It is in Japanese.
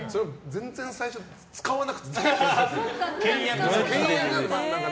全然、最初使わなくて。